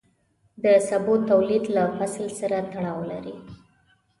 د سبو تولید له فصل سره تړاو لري.